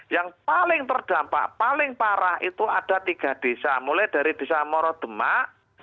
yang paling terdampak paling parah itu ada tiga desa mulai dari desa morodemak